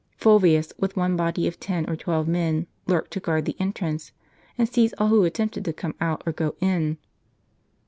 Fulvius, with one body of ten or twelve men, lurked to guard the entrance, and seize all who attempted to come out or go in.